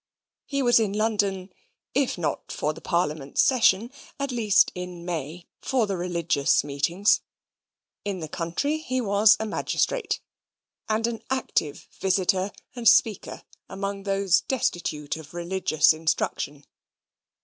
He was in London, if not for the Parliament session, at least in May, for the religious meetings. In the country he was a magistrate, and an active visitor and speaker among those destitute of religious instruction.